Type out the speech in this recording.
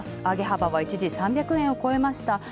上げ幅は一時３００円を越えました。